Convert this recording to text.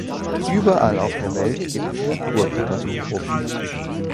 Überall auf der Welt gibt es Naturkatastrophen.